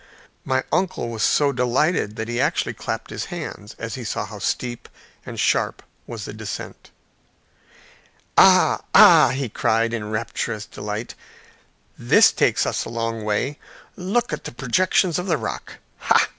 My uncle was so delighted that he actually clapped his hands as he saw how steep and sharp was the descent. "Ah, ah!" he cried, in rapturous delight; "this will take us a long way. Look at the projections of the rock. Hah!"